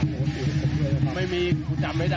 รูปมีชุด